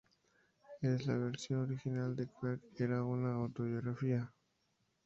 En la versión original de Clark era una autobiografía.